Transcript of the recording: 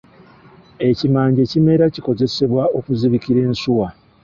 Ekimanje kimera kikozesebwa okuzibikira ensuwa.